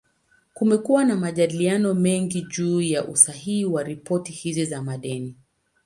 Kumekuwa na majadiliano mengi juu ya usahihi wa ripoti hizi za madeni.